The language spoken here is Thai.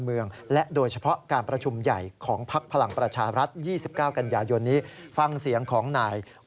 เพราะว่าท่านรองนายยกไปมอบนโยบาย